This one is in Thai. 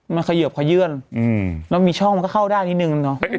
มันเขยิบขยื่นแล้วมีช่องมันก็เข้าได้นิดนึงเนอะ